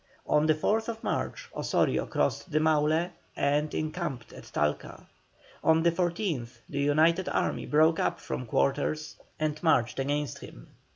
On the 4th March, Osorio crossed the Maule and encamped at Talca. On the 14th the united army broke up from quarters and marched against him.